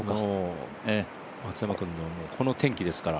松山君のこの天気ですから。